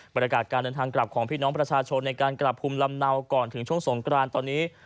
บรรยากาศการเดินทางกลับของพี่น้องประชาชนในการกลับภูมิลำเนาก่อนถึงช่วงสงกรานตอนนี้